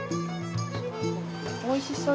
おいしそう。